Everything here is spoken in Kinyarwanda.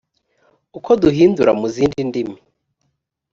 uko duhindura mu zindi ndimi